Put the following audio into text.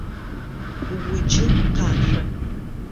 Уджы, къашъо!